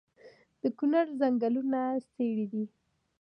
د کونړ ځنګلونه څیړۍ دي